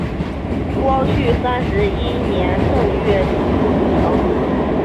光绪三十一年正月组成。